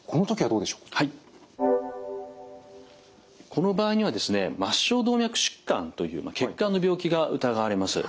この場合にはですね末梢動脈疾患という血管の病気が疑われます。